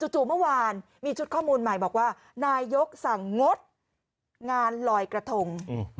จู่เมื่อวานมีชุดข้อมูลใหม่บอกว่านายกสั่งงดงานลอยกระทง